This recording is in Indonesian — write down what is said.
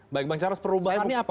baik bang charles perubahannya apa